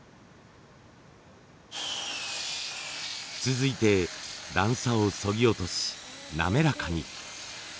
続いて段差をそぎ落とし滑らかに。